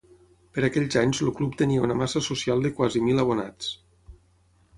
Per aquells anys el club tenia una massa social de quasi mil abonats.